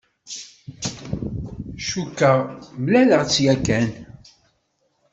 Cukkeɣ mlaleɣ-tt yakan.